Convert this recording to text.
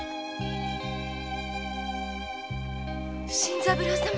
新三郎様！